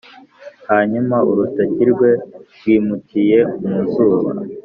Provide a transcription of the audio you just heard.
hanyuma urutoki rwe rwimukiye mu zuba,